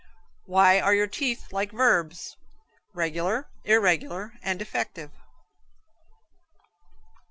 Why are your teeth like verbs? Regular, irregular and defective?